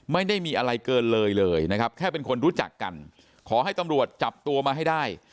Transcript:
ไม่ได้มีอะไรเกินเลยเลยนะครับแค่เป็นคนรู้จักกันขอให้ตำรวจจับตัวมาให้ได้